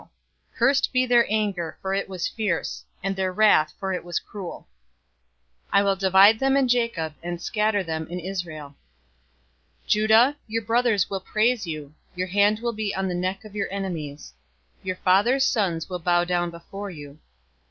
049:007 Cursed be their anger, for it was fierce; and their wrath, for it was cruel. I will divide them in Jacob, and scatter them in Israel. 049:008 "Judah, your brothers will praise you. Your hand will be on the neck of your enemies. Your father's sons will bow down before you.